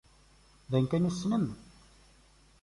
D ayen kan i tessnem!